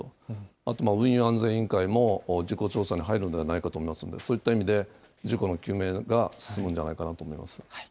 あと、運輸安全委員会も事故調査に入るんではないかと思いますので、そういった意味で、事故の究明が進むんではないかなと思います。